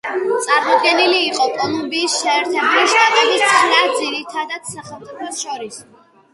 წარმოდგენილი იყო კოლუმბიის შეერთებული შტატების ცხრა ძირითად სახელმწიფოს შორის.